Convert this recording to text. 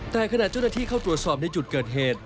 แต่ขณะเจ้าหน้าที่เข้าตรวจสอบในจุดเกิดเหตุ